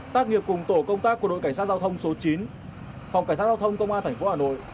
tác nghiệp cùng tổ công tác của đội cảnh sát giao thông số chín phòng cảnh sát giao thông công an tp hà nội